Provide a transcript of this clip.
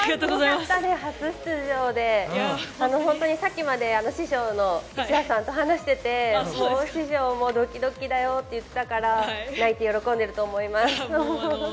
初出場で本当にさっきまで師匠と話してて、師匠もドキドキだよって言ってたから、泣いて喜んでると思います。